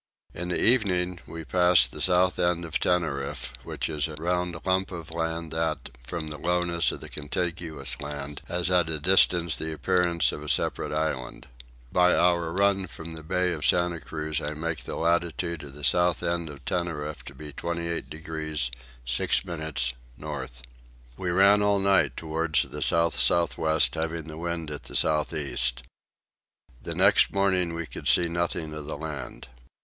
In the evening we passed the south end of Tenerife which is a round lump of land that, from the lowness of the contiguous land, has at a distance the appearance of a separate island. By our run from the bay of Santa Cruz I make the latitude of the south end of Tenerife to be 28 degrees 6 minutes north. We ran all night towards the south south west having the wind at south east. The next morning we could see nothing of the land.